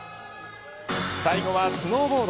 最後はスノーボード。